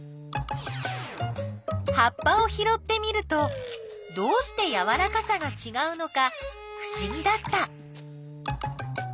葉っぱをひろってみるとどうしてやわらかさがちがうのかふしぎだった。